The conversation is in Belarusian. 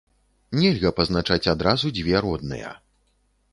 Нельга пазначаць адразу дзве родныя.